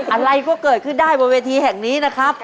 อะไรก็เกิดขึ้นได้บนเวทีแห่งนี้นะครับ